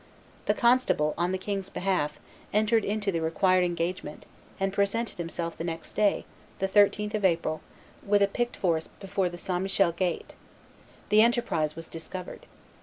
The constable, on the king's behalf, entered into the required engagement, and presented himself the next day, the 13th of April, with a picked force before the St. Michel gate. The enterprise was discovered.